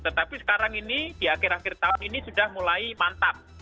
tetapi sekarang ini di akhir akhir tahun ini sudah mulai mantap